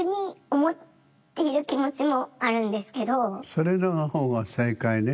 それの方が正解ね。